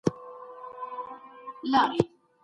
اقتصاد د ټولنپوهنې برخه ده.